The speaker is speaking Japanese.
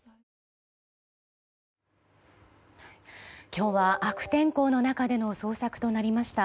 今日は悪天候の中での捜索となりました。